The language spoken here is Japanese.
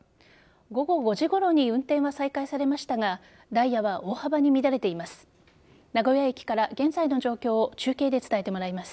午後５時ごろに運転は再開されましたがダイヤは大幅に乱れています。